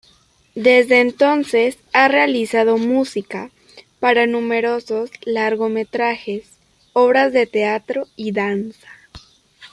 Desde entonces ha realizado música para numerosos largometrajes, obras de teatro y danza.